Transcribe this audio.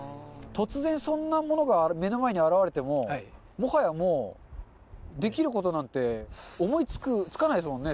突然、そんなものが目の前に現れても、もはやもう、できることなんて思いつかないですもんね。